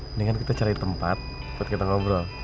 mendingan kita cari tempat buat kita ngobrol